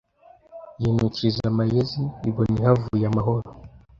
yinukiriza amayezi Ibona ihavuye amahoro